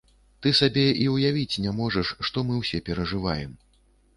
Ты сабе і ўявіць не можаш, што мы ўсе перажываем.